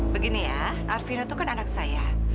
begini ya arvino tuh kan anak saya